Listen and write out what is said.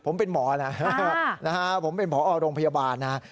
แล้วก็เรียกเพื่อนมาอีก๓ลำ